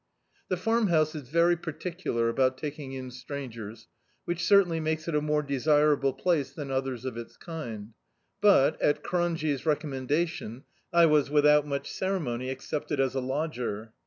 Tlie Farmhouse is very particular about taking in strangers, which certainly makes it a more de sirable place than others of its kind; but, at "Cronje's" recommendation, I was without much ceremony accepted as a lodger.